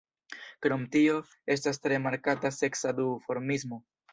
Krom tio estas tre markata seksa duformismo.